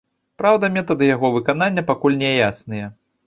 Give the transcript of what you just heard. Праўда, метады яго выканання пакуль няясныя.